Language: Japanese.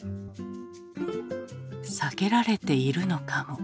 「避けられているのかも」。